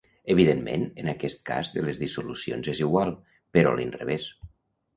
Evidentment, en aquest cas de les dissolucions és igual, però a l’inrevés.